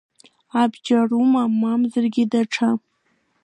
Абџьарума, мамзаргьы даҽа…